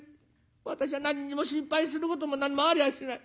私は何にも心配することも何もありゃあしない。